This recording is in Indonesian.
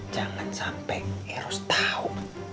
jangan sampai eros tau